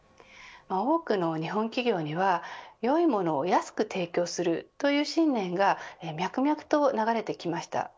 多くの日本企業には良いものを安く提供するという信念が脈々と流れてきました。